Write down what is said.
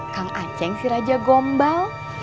kang aceh si raja gombal